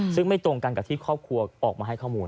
ซึ่งไม่ตรงกันกับที่ครอบครัวออกมาให้ข้อมูล